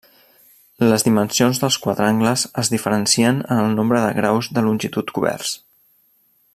Les dimensions dels quadrangles es diferencien en el nombre de graus de longitud coberts.